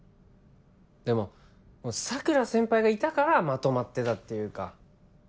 でも桜先輩がいたからまとまってたっていうか。